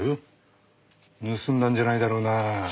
盗んだんじゃないだろうな？